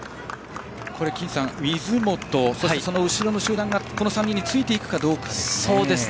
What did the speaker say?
金さん、水本とその後ろの集団がこの３人についていくかどうかですね。